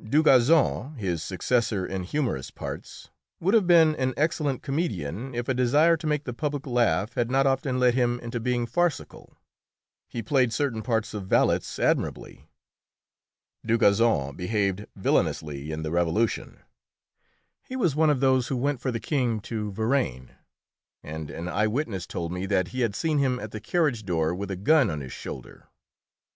Dugazon, his successor in humorous parts, would have been an excellent comedian if a desire to make the public laugh had not often led him into being farcical. He played certain parts of valets admirably. Dugazon behaved villainously in the Revolution: he was one of those who went for the King to Varennes, and an eyewitness told me that he had seen him at the carriage door with a gun on his shoulder.